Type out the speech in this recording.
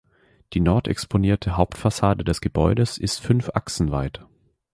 Die nordexponierte Hauptfassade des Gebäudes ist fünf Achsen weit.